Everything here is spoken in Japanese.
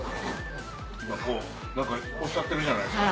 今こう何かおっしゃってるじゃないですか。